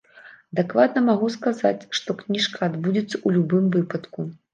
Дакладна магу сказаць, што кніжка адбудзецца ў любым выпадку.